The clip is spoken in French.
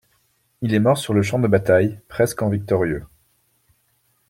Il est mort sur le champ de bataille, presque en victorieux.